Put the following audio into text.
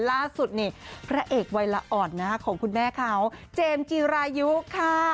ล่าสุดนี่พระเอกวัยละอ่อนของคุณแม่เขาเจมส์จีรายุค่ะ